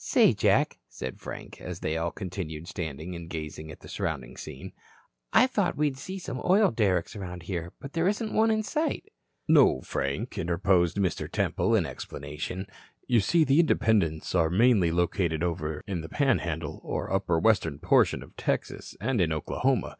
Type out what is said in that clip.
"Say, Jack," said Frank, as they all continued standing and gazing at the surrounding scene, "I thought we'd see some oil derricks around here. But there isn't one in sight." "No, Frank," interposed Mr. Temple, in explanation, "you see the Independents are mainly located over in the Panhandle, or upper western portion of Texas and in Oklahoma.